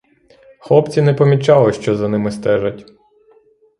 Хлопці не помічали, що за ними стежать.